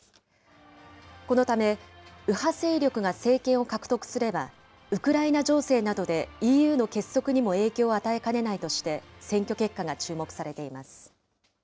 このため、右派勢力が政権を獲得すれば、ウクライナ情勢などでＥＵの結束にも影響を与えかねないとして、選挙結果が注目されています。